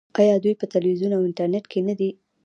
آیا دوی په تلویزیون او انټرنیټ کې نه دي؟